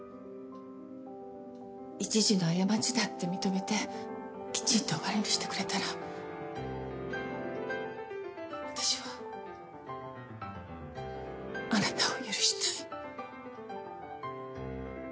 一時の過ちだって認めてきちんと終わりにしてくれたら私はあなたを許したい。